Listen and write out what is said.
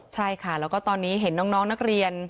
ใช่ค่ะแล้วก็ตอนนี้เห็นน้องนักเรียน